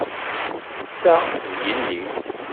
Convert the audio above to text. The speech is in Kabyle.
Ta, d yelli.